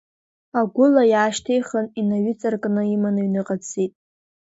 Агәыла иаашьҭихын, инаиҩыҵракны иманы аҩныҟа дцеит.